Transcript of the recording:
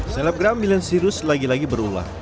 selebgram milen sirus lagi lagi berulang